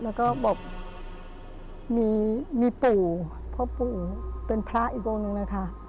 แล้วก็บอกมีปู่พ่อปู่เป็นพระอีกองค์หนึ่งเลยค่ะ